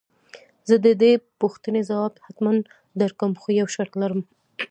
زه دې د دې پوښتنې ځواب حتماً درکوم خو يو شرط لرم.